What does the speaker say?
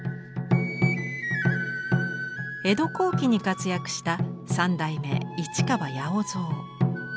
江戸後期に活躍した三代目市川八百蔵。